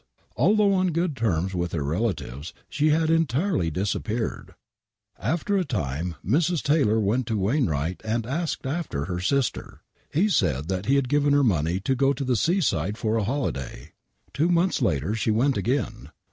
Although on good terms with her relatives, she had entirely disappeared. After a time Mrs. Taylor went to Wainwright and asked after her sister. He said he had given her money to go to the seaside for a holiday. Two months later she went again.